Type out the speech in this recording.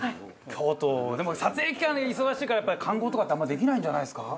京都でも撮影期間忙しいからやっぱり観光とかってあんまできないんじゃないですか？